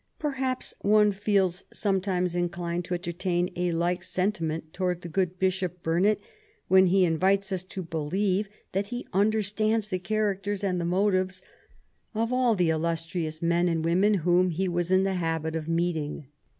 Perhaps one feels sometimes inclined to entertain a like sentiment towards the good Bishop Burnet when he invites us to believe that he understands the characters and the motives of all the illustrious men and women whom he was in the habit of meeting.